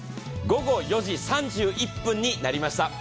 午後４時３１分になりました。